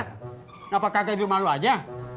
kenapa kakak di rumah lo aja